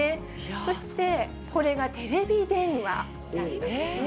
そしてこれがテレビ電話なんですね。